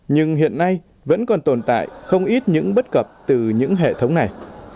nhưng hiện nay vẫn còn tồn tại không ít những bất cập từ những hệ thống này